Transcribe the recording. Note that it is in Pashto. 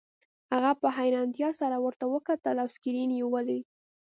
هغه په حیرانتیا سره ورته وکتل او سکرین یې ولید